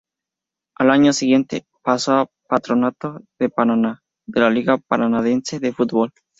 Al año siguiente, pasó a Patronato de Paraná, de la Liga Paranaense de Fútbol.